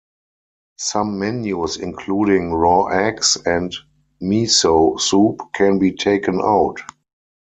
Some menus including raw eggs and miso soup can be taken out.